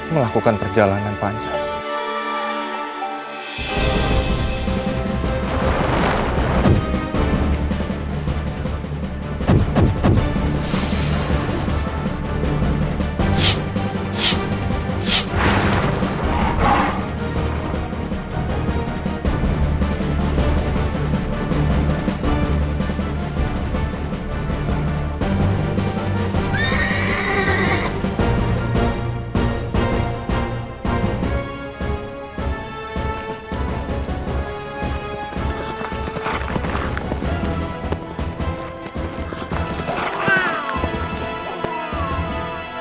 melakukan perjalanan pada rumah